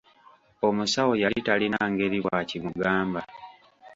Omusawo yali talina ngeri bw'akimugamba.